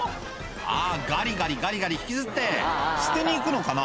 あぁガリガリガリガリ引きずって捨てに行くのかな？